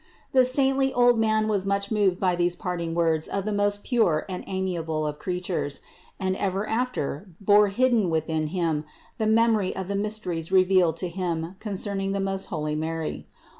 The saintly old man was much moved by these parting words of the most pure and amiable of creatures, and ever thereafter bore hidden within him the memory of the mysteries revealed to him concerning the most holy Mary.